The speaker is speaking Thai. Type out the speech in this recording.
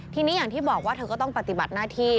ทีนี้อย่างที่บอกว่าเธอก็ต้องปฏิบัติหน้าที่